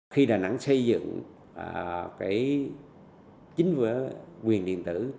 khi đà nẵng xây dựng chính quyền điện tử